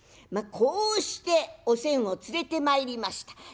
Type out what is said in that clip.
まあこうしておせんを連れてまいりました。